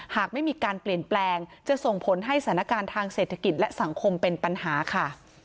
หากไม่มีการเปลี่ยนแปลงจะส่งผลให้สถานการณ์ทางเศรษฐกิจและสังคมเป็นปัญหาค่ะ